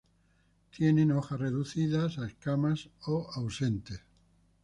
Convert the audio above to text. Tienen hojas reducidas a escamas o ausentes.